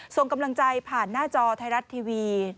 ส่งกำลังใจผ่านหน้าจอไทยรัฐทีวี